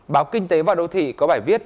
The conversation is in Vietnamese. báo kinh tế và đô thị có bài viết